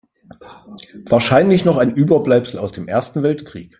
Wahrscheinlich noch ein Überbleibsel aus dem Ersten Weltkrieg.